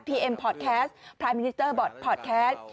พีเอ็มพอสแคสต์พรายมินิเตอร์บอร์ดพอสแคสต์